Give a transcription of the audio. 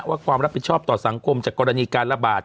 ความรับผิดชอบต่อสังคมจากกรณีการระบาด